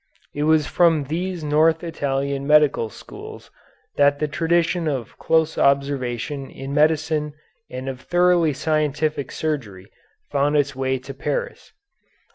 It was from these north Italian medical schools that the tradition of close observation in medicine and of thoroughly scientific surgery found its way to Paris.